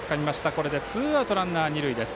これでツーアウトランナー、二塁です。